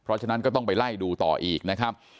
เพราะฉะนั้นก็ต้องไปไล่ดูต่ออีกนะครับ